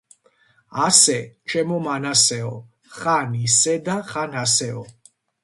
ასე, ჩემო მანასეო, ხან ისე და ხან – ასეო.